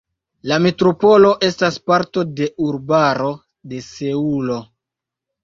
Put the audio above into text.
La metropolo estas parto de urbaro de Seulo.